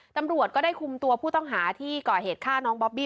ตำรวจก็ได้คุมตัวผู้ต้องหาที่ก่อเหตุฆ่าน้องบอบบี้